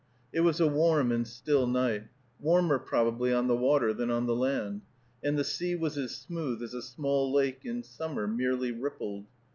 It was a warm and still night, warmer, probably, on the water than on the land, and the sea was as smooth as a small lake in summer, merely rippled.